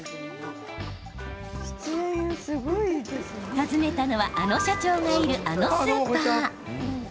訪ねたのはあの社長がいる、あのスーパー。